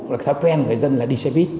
là cái thói quen của người dân là đi xe buýt